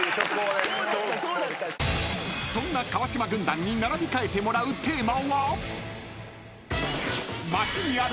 ［そんな川島軍団に並び替えてもらうテーマは］